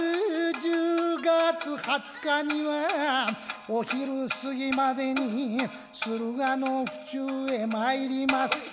十月二十日にはお昼過ぎまでに駿河の府中へ参ります